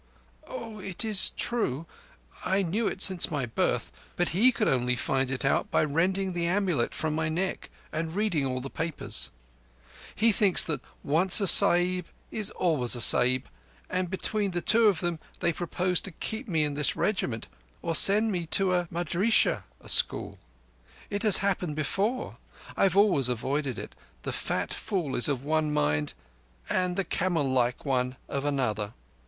"Oh, it is true. I knew it since my birth, but he could only find it out by rending the amulet from my neck and reading all the papers. He thinks that once a Sahib is always a Sahib, and between the two of them they purpose to keep me in this Regiment or to send me to a madrissah (a school). It has happened before. I have always avoided it. The fat fool is of one mind and the camel like one of another.